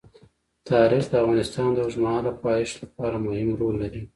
تاریخ د افغانستان د اوږدمهاله پایښت لپاره مهم رول لري.